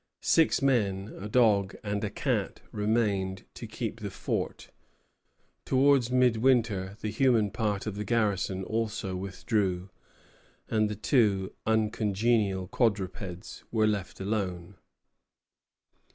Six men, a dog, and a cat remained to keep the fort. Towards midwinter the human part of the garrison also withdrew, and the two uncongenial quadrupeds were left alone.